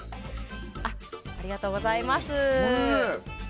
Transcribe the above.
ありがとうございます。